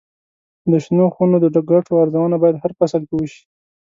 د شنو خونو د ګټو ارزونه باید هر فصل کې وشي.